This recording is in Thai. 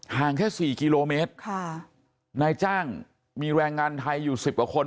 ห่างแค่๔กิโลเมตรนายจ้างมีแรงงานไทยอยู่๑๐กว่าคน